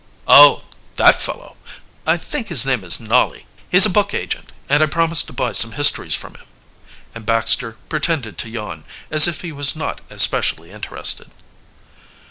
"Oh, that fellow? I think his name is Nolly. He's a book agent, and I promised to buy some histories from him," and Baxter pretended to yawn, as if he was not especially interested.